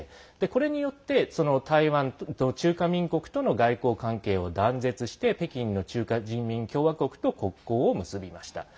これによって台湾と中華民国との外交関係を断絶して北京の中華人民共和国と国交を結びました。